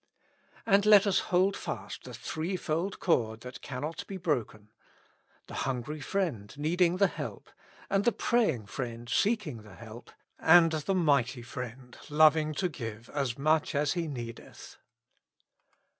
And let us hold fast the three fold cord that cannot be broken : the hungry friend needing the help, and the praying friend seeking the help, and the Mighty Friend, loving to give as much as he needeth.